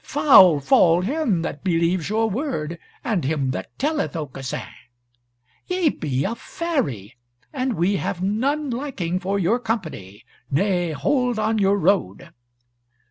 Foul fall him that believes your word, and him that telleth Aucassin. Ye be a Fairy, and we have none liking for your company, nay, hold on your road."